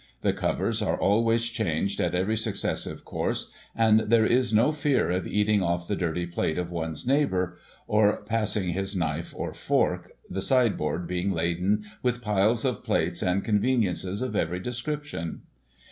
The covers are always changed at every successive course, and there is no fear of eating off the dirty plate of one's neighbour, or using his knife or fork, the Digiti ized by Google 246 GOSSIP. [1844 sideboard being laden with piles of plates and conveniences of every description.